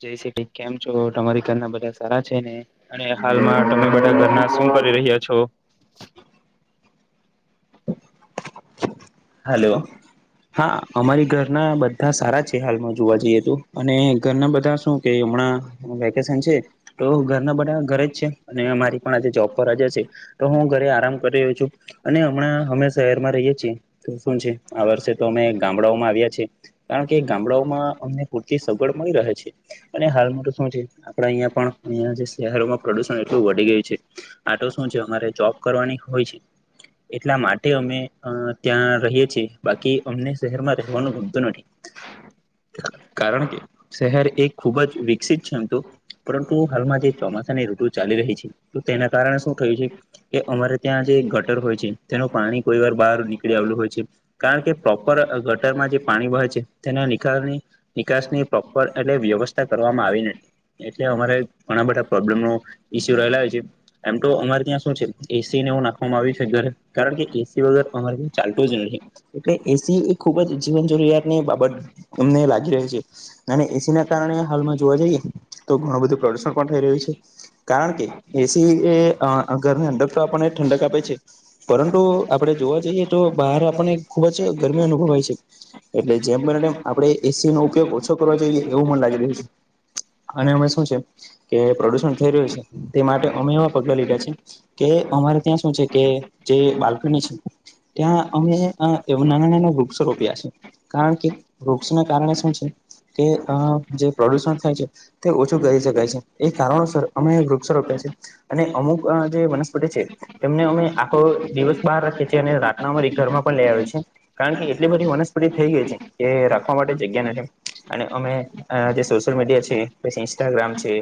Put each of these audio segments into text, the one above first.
જય સિટી કેમ છો? તમારી ઘરના બધા સારા છે ને? અને હાલમાં તમે બધા ઘરના શું કરી રહ્યા છો? હલો હા અમારી ઘરના બધા સારા છે. હાલમાં જોવા જઈએ તો. અને ઘરના બધાં શું કે હમણાં વેકેશન છે. તો ઘરના બધા ઘરે જ છે અને મારી પણ આજે જોબ પર રાજા છે. તો હું ઘરે આરામ કરી રહ્યો છું અને હમણાં અમે શહેરમાં રહીએ છીએ. શું છે આ વર્ષે તો અમે ગામડાઓમાં આવ્યા છીએ. કારણ કે ગામડાઓમાં અમને પૂરતી સગવડ મળી રહે છે. અને હાલમાં તો શું છે આપડા અહિયાં પણ જે શહેરોમાં પ્રદુષણ એટલું વધી ગયું છે. આ તો શું છે અમારે જોબ કરવાની હોય છે. એટલા માટે અમે ત્યાં રહીએ છીએ બાકી અમને શહેરમાં રહેવાનું ગમતું નથી. કારણ કે શહેર એ ખુબ જ વિકસિત છે એમ તો. પરંતુ હાલમાં જે ચોમાસાની ઋતુ ચાલી રહી છે તો તેના કારણે શું થયું છે. કે અમારે ત્યાં જે ગટર હોય છે તેનું પાણી કોઈ વાર બહાર નીકળી આવેલું હોય છે. કારણ કે પ્રોપર ગટરમાં જે પાણી વહે છે તેના નિકાલની નિકાસ ની પ્રોપર એટલે વ્યવસ્થા કરવામાં આવી નથી. એટલે અમારે ઘણા બધા પ્રોબ્લેમ નો ઈસ્યુ રહેલા હોય છે. એમ તો અમારે ત્યાં શું છે એ સી ને એવું નાખવામાં આવ્યું છે ઘરે કારણ કે એ સી વગર અમારે ચાલતું જ નહિ એટલે એ સી એ ખુબ જ જીવન જરૂરિયાતની બાબત અમને લાગી રહી છે. અને એ સી ના કારણે હાલમાં જોવા જઈએ તો ઘણું બધું પ્રદુષણ પણ થઈ રહ્યું છે. કારણ કે એ સી એ આ ઘરની અંદ તો આપણને ઠંડક આપે છે પરંતુ આપણે જોવા જઈએ તો બહાર આપણને ખુબ જ ગરમી અનુભવાય છે. એટલે જેમ બને તેમ આપણે એ સી નો ઉપયોગ ઓછો કરવો જોઈએ એવું મને લાગી રહ્યું છે. અને અમે શું છે કે પ્રદુષણ થઈ રહ્યું છે તે માટે અમે એવા પગલા લીધા છે કે અમારે ત્યાં શું છે કે જે બાલ્કની છે ત્યાં અમે એ નાના નાના વૃક્ષો રોપ્યા છે. કારણ કે વૃક્ષ ના કારણે શું છે કે જે અ પ્રદુષણ થાય છે તે ઓછું કરી શકાય છે. એ કારણોસર અમે વૃક્ષ રોપ્યા છે. અને અમુક જે વનસ્પતિ છે એમને અમે આખો દિવસ બહાર રાખીએ છીએ અને રા ના અમેરી ઘરમાં પણ લઈ આવે છે. કારણ કે એટલી બધી વનસ્પતિ થઈ ગઈ છે એ રાખવા માટે જગ્યા નથી અને અમે અ જે સોશિયલ મીડિયા છે, પછી ઇન્સ્ટાગ્રામ છે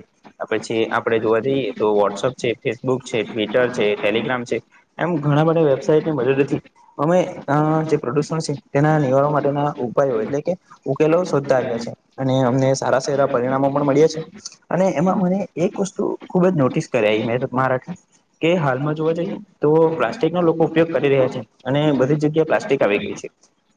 પછી આપડે જોવા જઈએ તો વોટ્સઅપ છે, ફેસબુક છે, ટ્વિટર છે, ટેલિગ્રામ છે. એમ ઘણા બધા વેબસાઈટની મદદોથી અમે અ જે પ્રદુષણ છે તેના નિવારવા માટેના ઉપાયો એટલે કે ઉકેલો શોધતા આવ્યા છે. અને અમને સારા સારા પરિણામો પણ મળ્યા છે અને એમાં મને એક વસ્તુ ખુબ જ નોટિસ કર્યા મે મારા કે હાલમાં જોવા જઈએ તો પ્લાસ્ટિક નો લોકો ઉપયોગ કરી રહ્યા છે. અને બધીજ જગ્યા પ્લાસ્ટિક આવી ગઈ છે.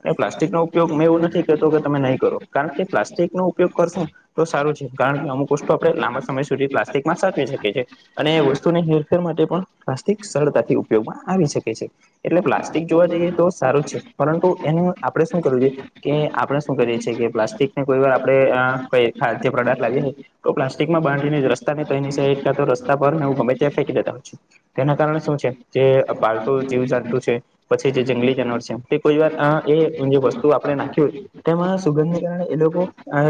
અને પ્લાસ્ટિક નો ઉપયોગ મેં એવું નથી કહેતો કે તમે નહીં કરો કારણ કે પ્લાસ્ટિક નો ઉપયોગ કરશું તો સારું છે કારણ કે અમુક વસ્તુ આપણે લાંબા સમય સુધી પ્લાસ્ટિકમાં સાચવી શકીએ છીએ. અને એ વસ્તુની હેરફેર માટે પણ પ્લાસ્ટિક સરળતાથી ઉપયોગમાં આવી શકે છે એટલે પ્લાસ્ ટિક જોવા જઈએ તો સારું છે. પરંતુ એનું આપડે શું કરવું જોઈએ કે આપડે શું કરીએ છીએ કે પ્લાસ્ટિક ને કોઈ વાર આપડે ઈ અ ખાદ્ય પ્રોડક્ટ લાવીએ તો પ્લાસ્ટિક માં બાંધીને રસ્તાની તયની સાઇડ કાતો રસ્તા પર એવું ગમે ત્યાં ફેંકી દેતા હોય છે. તેના કારણે શું છે જે પાલતુ જીવ જંતુ છે. પછી જે જંગલી જાનવર છે, તે કોઈ વાર અ એ જે વસ્તુ આપણે નાખ્યું. તેમાં સુગંધને કારણે એ લોકો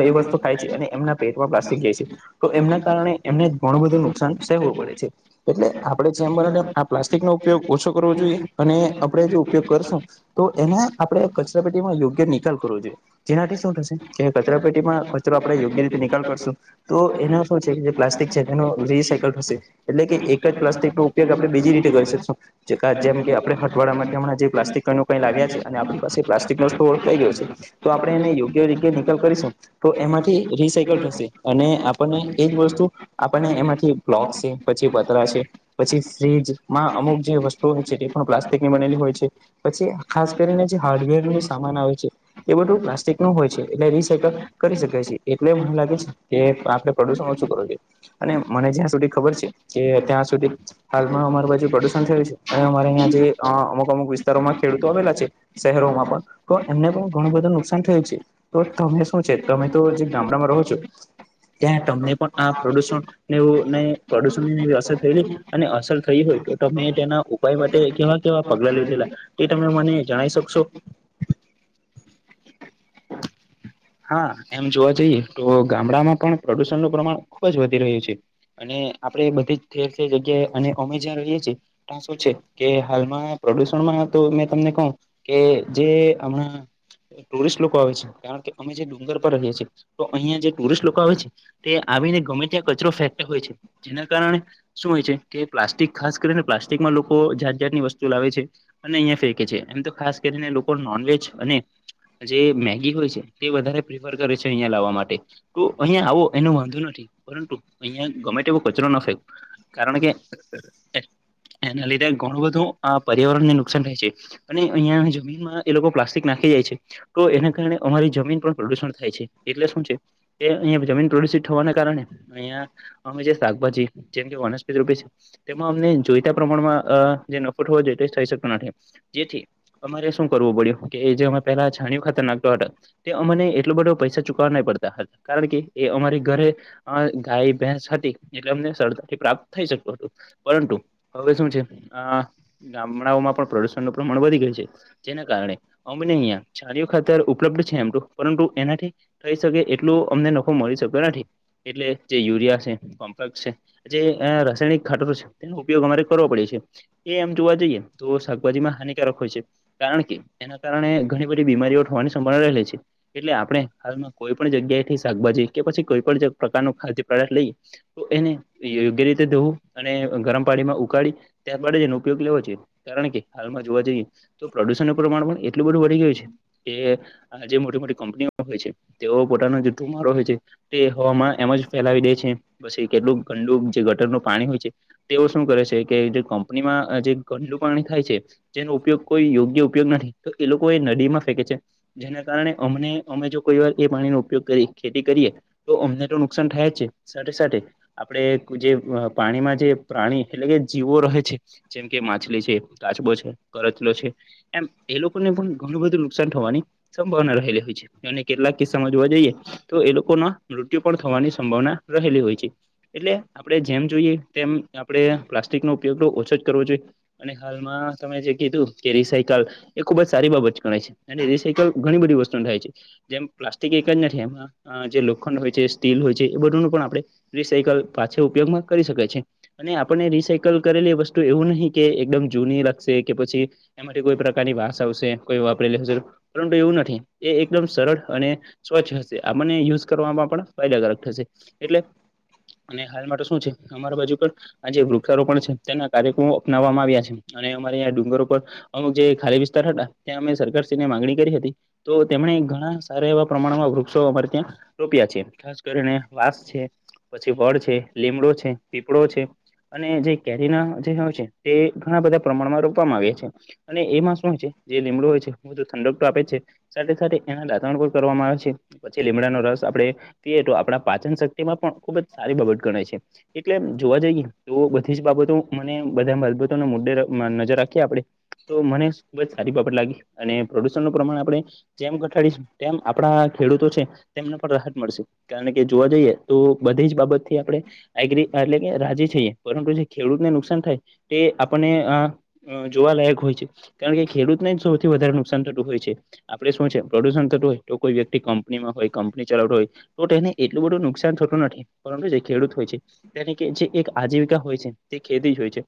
એ વસ્તુ ખાય છે અને એમના પેટમાં પ્લાસ્ટિક જાય છે. તો એમના કારણે એમને ઘણું બધું નુકસાન સહેવું પડે છે. એટલે આપણે જેમ બને તેમ આ પ્લાસ્ટિકનો ઉપયોગ ઓછો કરવો જોઈએ અને આપણે જો ઉપયોગ કરશું તો એને આપણેે કચરા પેટીમાં યોગ્ય નિકાલ કરવો જોઈએ. જેનાથી શું થશે કે કચરા પેટીમાં કચરો આપડે યોગ્ય રીતે નિકાલ કરશું તો એનો શું છે કે જે પ્લાસ્ટિક છે તેનું રિસાયકલ થશે. એટલે કે એક જ પ્લાસ્ટિકનો ઉપયોગ આપણે બીજી રીતે કરી શકશું [unintelligible] જેમ કે આપડે [unintelligible] એટલા માટે હમણાં જે પ્લાસ્ટીકનું કંઈ લાવ્યા છે અને આપણી પાસે પ્લાસ્ટિકનો સ્ટોર થઈ ગયો છે. તો આપણે એને યોગ્ય રીતે નિકાલ કરી શક. તો એમાંથી રિસાયકલ થશે અને આપણને એજ વસ્તુ આપણને એમાંથી બ્લોગ છે, પછી ભદ્રા છે. પછી ફ્રીજમાં અમુક જે વસ્તુઓ હોય છે તે પણ પ્લાસ્ટ તેની બનેલી હોય છે, પછી ખાસ કરીને જે હાર્ડવેરનો સામાન આવે છે. એ બધુ પ્લાસ્ટિકનું હોય છે એટલે રીસાયકલ કરી શકાય છે એટલે મન લાગે છે. તે [unintelligible] અને મને જ્યાં સુધી ખબર છે કે ત્યાં સુધી હાલમાં અમાર બાજુ પ્રદુષણ થયું છે અને અમારે અહીયા જે અમુક અમુક વિસ્તોમાં ખેડૂતો આવેલા છે. શહેરોમાં પણ તો એમને પણ બધું નુકશાન થયું છે. તો તમે શું છે. તમે તો જે ગામડામાં રહો છો ત્યાં તમને પણ આ પ્રદૂષણને ને પ્રદુષણ ને એવી અસર થયેલી. અને અસર થઈ હોય, તો તમે તેના ઉપાય માટે એકે વાર કેવા પગલા લીધેલા એ તમે મને જણાઇ શકશો? હા, એમ જોવા જઈએ, તો ગામડામાં પણ પ્રદુષણનું પ્રમાણ ખુબ જ વધી રહ્યું છે. અને આપણે બધી જ ઠેર ઠેર જગ્યા અને અમે જ્યાં રહીએ છીએ શું છે કે હાલમાં, પ્રદુષણમાં તો મેં તમને કહું. કે જે હમણાં ટુરિસ્ટ લોકો આવે છે, કારણ કે અમે જે ડુંગર પર રહીએ છીએ, તો અહિયાં જે ટુરિસ્ટ લોકો આવે છે. તે આવીને ગમે ત્યાં કચરો ફેંકતા હોય છે. જેના કારણે શું હોય છે કે પ્લાસ્ટિક ખાસ કરીને, પ્લાસ્ટિકમાં લોકો જાત જાતની વસ્તુ લાવે છે. અને અહિયાં ફેંકે છે. એમ તો ખાસ કરીને લોકો નોનવેજ અને જે મેગી હોય છે. તે વધારે પ્રીફર કરે છે, અહિયાં લાવવા માટે તો અહિયાં આવો એનો વાંધો નથી. પરંતુ અહિયાં ગમે તે એવો કચરો ન ફેક કારણ કે એના લીધે ઘણું બધું પર્યાવરણને નુકસાન થાય છે. અને અહિયાં જમીનમાં એ લોકો પ્લાસ્ટિક નાખી જાય છે, તો એના કારણે અમારી જમીન પર પ્રદુષણ થાય છે. એટલે શું છે કે અહિયા જમીન પ્રદુષિત થવાના કારણે અહિયાં અમે જે શાકભાજી જે વનસ્પતિ રૂપે છે. તેમાં અમને જોઈતા પ્રમાણમાં અ જે નફો થવો જોઈએ, તો થઈ શકતો નથી. જેથી અમારે શું કરવું પડ્યું કે, જે અમે પહેલા છાણિયું ખાતર નાખતા હતા. તે અમને એટલો બધો પૈસા ચુકવા નહી પડતા હતા. કારણ કે એ અમારી ઘરે અ ગાય ભેંસ હતી એટલે અમને સરળતાથી પ્રાપ્ત થઈ શક્યું હતું, પરંતુ હવે, શું છે? આ ગામડાઓમાં પણ પ્રદુષણનું પ્રમાણ વધી ગયું છે. જેના કારણે અમને અહીંયા છાણિયું ખાતર ઉપલબ્ધ છે એમ. પરંતુ એનાથી થઈ શકે એટલું અમને નફો મળી શક્તો નથી. એટલે જે યુરિયા છે, કોમ્પેક્સ છે. જે અ રાસાયણિક ખાતરો છે તેનો ઉપયોગ અમારે કરવો પડે છે. એ એમ જોવા જઈએ, તો શાકભાજીમાં હાનિકારક હોય છે. કારણ કે એના કારણે ઘણી બધી બીમારીઓ થવાની સંભાવના રહેલી છે. એટલે આપણે હાલમાં કોઈ પણ જગ્યાએથી શાકભાજી કે પછી કોઈ પણ પ્રકારનું ખાદ્ય પદાર્થ લઈએ તો એને તે યોગ્ય રીતે ધોવું અને ગરમ પાણીમાં ઉકાળી, ત્યાર બાદ જ એનો ઉપયોગ લેવો જોઈએ. કારણ કે હાલમાં જોવા જઈએ, તો પ્રદુષણ પ્રમાણ પણ એટલું બધું વધી ગયું છે કે આ જે મોટી મોટી કંપનીઓ હોય છે તેઓ પોતાનો જે ધુમાડો હોય છે તે હવામાં એમ જ ફેલાવી દે છે, પછી કેટલું ગંદું જે ગટરનું પાણી હોય છે તેઓ શું કરે છે કે, જો કંપનીમાં જે ગંડું પાણી થાય છે જેનો ઉપયોગ કોઈ યોગ્ય ઉપયોગ નથી તો એ લોકોએ નદીમાં ફેંકે છે જેના કારણે અમને અમે જો કોઈવાર એ પાણીનો ઉપયોગ કરીએ ખેતી કરીએ તો અમને તો નુકસાન થાય જ છે સાથે સાથે આપણે જે અહ પાણીમાં જે પ્રાણી એટલે કે જીવો રહે છે જેમ કે, માછલી છે, કાચબો છે કરચલો છે એમ એ લોકોને પણ ઘણું બધું નુકસાન થવાની સંભાવના રહેલી હોય છે અને કેટલાક કિસ્સામાં જોવા જઈએ તો એ લોકો ના મૃત્યુ પણ થવાની સંભાવના રહેલી હોય છે. એટલે આપણે જેમ જોઈએ તેમ આપણે પ્લાસ્ટિકનો ઉપયોગ તો ઓછો જ કરવો જોઈએ અને હાલમાં તમે જે કીધું કે રિસાયકલ એ ખુબ જ સારી બાબત ગણાય છે અને રિસાયકલ ઘણી બધી વસ્તનુ થાય છે. જેમ પ્લાસ્ટિક એક જ નથી એમાં છે અહ જે લોખંડ હોય છે સ્ટીલ હોય છે એ બધુંનું પણ આપડે રિસાઇકલ પાછો ઉપયોગમાં કરી શકાય છે. અને આપણે રિસાયકલ કરેલી વસ્તુ એવું નહી કે એકદમ જૂની લાગશે કે પછી એમાંથી કોઈ પ્રકારની વાસ આવશે કોઈ વાપરે હશે પરંતુ એવું નથી એ એકદમ સરળ અને સ્વચ્છ હશે આ મને યુજ કરવામાં પણ ફાયદાકારક થશે એટલે અને હાલ મા તો શું છે અમારા બાજુ પણ આ જે વૃક્ષારોપણ છે તેના કાર્યક્રમો અપનાવવામાં આવ્યા છે અને અમારેં આઇયા ડુંગરો પર અમુક જે ખાલી વિસ્તાર હતા ત્યાં અમે સરકારશ્રી ને માંગણી કરી હતી તો તેમણે ઘણા સારા એવા પ્રમાણમાં વૃક્ષો અમારે ત્યાં રોપ્યા છે. ખાસ કરીને વાસ છે, પછી વળ છે, લીમડો છે, પીપળો છે. અને જે કેરીના જે હોય છે તે ઘણા બધા પ્રમાણમાં રોપવામાં આવ્યા છે અને એમાં શું છે જે લીમડો હોય છે બધું ઠંડક તો આપે છે સાથે સાથે એના દાતણ પણ કરવામાં આવે છે પછી લીમડાનો રસ આપડે તે તો આપણા પાચન શક્તિમાં પણ ખુબ જ સારી બાબત ગણાય છે. એટલે જોવા જઈએ તો બધી જ બાબતો મને બધા બાબતોના મુદ્દે નજર રાખીએ આપડે તો મને ખુબ જ સારી બાબત લાગી અને પ્રોડુશન નું પ્રમાણ આપણે જેમ ધટાઙી શુ તેમ આપણા ખેડૂતો છે તેમને પર રાહત મળશે કારણ કે જોવા જઈએ તો બધી જ બાબતથી આપડે એગ્રી એટલે કે રાજી છેએ પરંતુ જે ખેડૂતને નુકસાન થાય તે આપને આ અહ જોવાલાયક હોય છે કારણ કે ખેડૂતને જ સૌથી વધારે નુકસાન થતું હોય છે. આપડે શું છે પ્રોડ્યુશન થતું હોય તો કોઈ વ્યક્તિ કંપનીમાં હોય કંપની ચલાવતો હોય તો તેને એટલું બધું નુકસાન થતું નથી પરંતુ જે ખેડૂત હોય છે તેની કે જે એક આજીવિકા હોય છે તે ખેતી જ હોય છે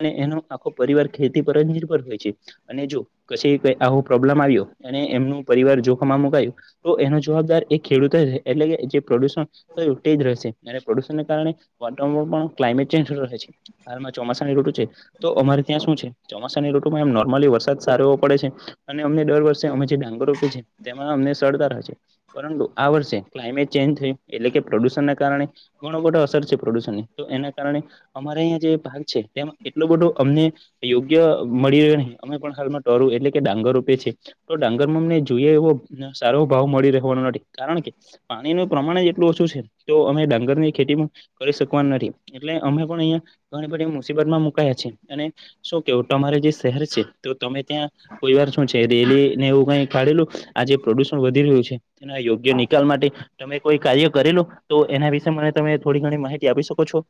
અને એનો આખો પરિવાર ખેતી પર જ નિર્ભર હોય છે અને જો કશેઈ કોઈ આવો પ્રોબ્લેમ આવ્યો અને એમનું પરિવાર જોખમમાં મુકાયું તો એનો જવાબદાર એ ખેડૂતો એટલે કે જે પ્રદુષણ [unintelligible] તે જ રહેશે જૈવ પ્રદૂષણ કારણે વાતાવરણમાં પણ કલાયમેનટ ચેજ ઋતુ છે, હાલમાં ચોમાસા ની ઋતુ છે. તો અમારે ત્યાં શું છે, ચોમાસાની ઋતુમાં એમ નોર્મલી વરસાદ સારો એવો પડે છે. અને અમને દર વર્ષે અમે જે ડાંગર રોપીએ છે, તેમાં અમને સરળતા રહે છે, પરંતુ આ વર્ષે ક્લાયમેન્ટ ચેન્જ થયું, એટલે કે પ્રદૂષણ કારણે ઘણો બધો અસર છે પ્રદૂષણની, તો એના કારણે અમારા અહીયા જે ભાગ છે, તેમ એટલો બધો અમને યોગ્ય મળી રહ્યો નહી, અમે પણ હાલમાં ધરું એટલે કે કે ડાંગર રોપીયે છે, તો ડાંગર માં અમને જોઈએ એવો સારો ભાવ મળી રહેવાનો નથી, કારણ કે, પાણીનું પ્રમાણ જ એટલું ઓછું છે, તો અમે ડાંગર ની ખેતી પણ કરી શકવાના નથી. એટલે અમે પણ અહિયા ઘણી બધી મુસીબત માં મુકાયા છે અને શું કેવું તમારે જે શહેર છે, તો તમે ત્યાં કોઈ વાર શું છે રેલી ને એવું કઈ કાઢેલું? આ જે પ્રદૂષણ વધી રહ્યું છે, તેના યોગ્ય નિકાલ માટે તમે કોઈ કાર્ય કરેલુ તો એના વિશે મને તમે થોડી ઘણી માહિતી આપી શકો છો?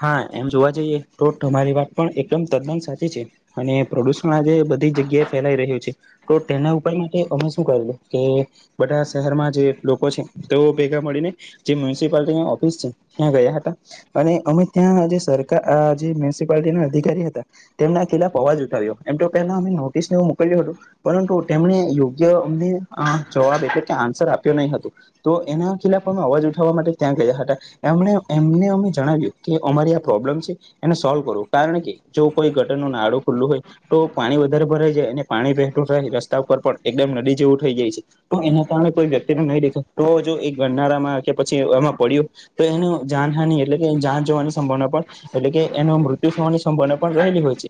હા, એમ જોવા જઈએ, તો તમારી વાત પણ એકદમ તદ્દન સાચી છે અને પ્રદૂષણ આજે બધી જગ્યાએ ફેલાઈ રહ્યું છે. તો તેના ઉપાય માટે અમે શું કરેલું કે બધા શહેરમાં જે લોકો છે, તેઓ ભેગા મળીને જે મ્યુનિસિપાલટીની ઓફિસ છે. ત્યાં ગયા હતા અને અમે ત્યાં જે સરકા અ.. જે મ્યુનિસિપાલટી ના અધિકારી હતા. તેમના ખિલાફ અવાજ ઉઠાવ્યો, એમ તો પહેલા અમે નોટિસ ને એવું મોકલ્યું હતું. પરંતુ તેમણે યોગ્ય અમને અ.. જવાબ એટલે કે, આન્સર આપ્યો નહી હતો. તો એના ખિલાફ અમે અવાજ ઉઠાવવા માટે ત્યાં ગયા હતા, એમણે એમને અમે જણાવ્યું. કે અમારી આ પ્રોબ્લેમ છે એને સોલ્વ કરો, કારણ કે, જો કોઈ ગટર નું નાડું ખુલ્લું હોય. તો પાણી વધારે ભરાઈ જાય અને પાણી વેહતું થાય, રસ્તા ઉપર પણ એકદમ નદી જેવું થઈ જાય છે. તો એના કારણે કોઈ વ્યક્તિને નહીં દેખાય તો, જો એ ગંનારા માં કે પછી એમાં પડ્યો તો એનું જાનહાની એટલે કે એની જાજ જવાની સંભાવના પણ એટલે કે, એનો મૃત્યુ થવાની સંભાવના પણ રહેલી હોય છે.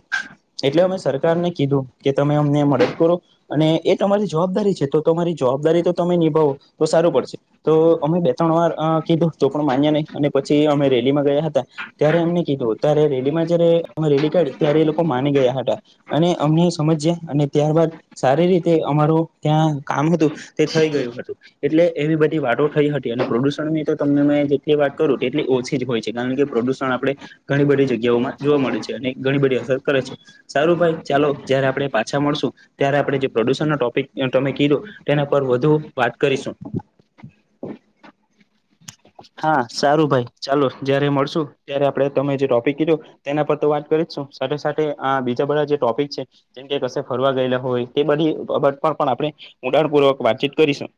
એટલે અમે સરકારને કીધું કે તમે અમને મદદ કરો. અને એ તમારી જવાબદારી છે, તો તમારી જવાબદારી તો તમે નિભાવો, તો સારું પડશે. તો અમે બે-ત્રણ વાર અ.. કીધુ, તો પણ માન્યા નહી અને પછી અમે રેલીમાં ગયા હતા. ત્યારે એમને કીધું ત્યારે રેલીમાં જયારે અમે રેલી કાઢી ત્યારે એ લોકો માની ગયા હતા. અને અમને સમજ્યાં અને ત્યારબાદ સારી રીતે અમારું ત્યાં કામ હતું, તે થઈ ગયું હતું. એટલે એવી બધી વાતો થઈ હતી અને પ્રદુષણ ની તો તમને મે જેટલી વાત કરું તેટલી ઓછી જ હોય છે, કારણ કે પ્રદૂષણ આપણે ઘણી બધી જગ્યાઓમાં જોવા મળે છે અને ઘણી બધી અસર કરે છે. સારું ભાઈ ચાલો, જયારે આપણેે પાછા મળશુ ત્યારે આપણે જે પ્રદૂષણનો ટોપિક તમે કીધું, તેના પર વધુ વાત કરીશું. હા, સારું ભાઈ ચાલો જયારે મળશુ ત્યારે આપડે તમે જે ટોપિક કીધો તેના પર તો વાત કરી જ શું, સાથે-સાથે આ બીજા બધા જે ટોપિક છે જેમ કે કશે ફરવા ગયેલા હોય, તે બધી બાબત પર પણ આપણે ઉડાણપૂર્વક વાતચીત કરીશું.